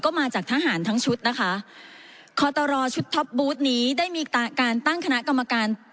ก็มาจากทหารทั้งชุดนะคะคอตรชุดท็อปบูธนี้ได้มีการตั้งคณะกรรมการ